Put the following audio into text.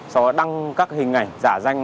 sau đó đăng các hình ảnh giả danh